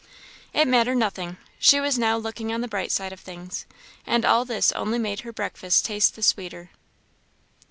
It mattered nothing; she was now looking on the bright side of things, and all this only made her breakfast taste the sweeter.